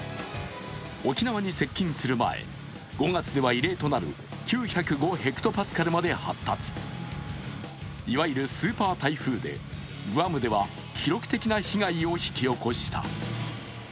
沖縄に接近する前、５月では異例となる９０５ｈＰａまで発達いわゆるスーパー台風でグアムでは記録的な被害を引き起こした。